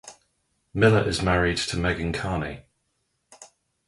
Miller is married to Meghan Carney.